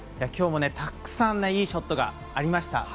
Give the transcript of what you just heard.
今日もたくさんいいショットがありました。